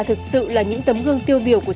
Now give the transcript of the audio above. thực sự là những tấm gương tiêu biểu của